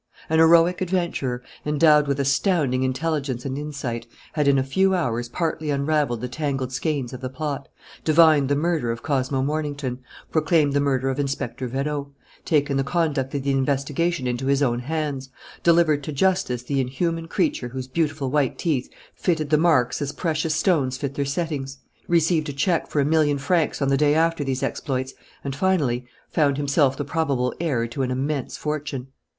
An heroic adventurer, endowed with astounding intelligence and insight, had in a few hours partly unravelled the tangled skeins of the plot, divined the murder of Cosmo Mornington, proclaimed the murder of Inspector Vérot, taken the conduct of the investigation into his own hands, delivered to justice the inhuman creature whose beautiful white teeth fitted the marks as precious stones fit their settings, received a cheque for a million francs on the day after these exploits and, finally, found himself the probable heir to an immense fortune.